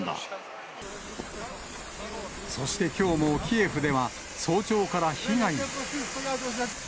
そしてきょうもキエフでは、早朝から被害が。